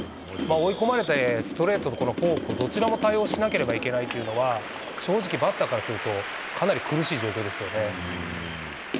追い込まれて、ストレートとこのフォーク、どちらも対応しなければいけないというのは、正直、バッターからすると、かなり苦しい状況ですよね。